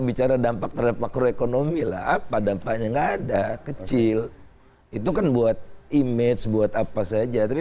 bicara dampak terhadap makroekonomi lah apa dampaknya enggak ada kecil itu kan buat image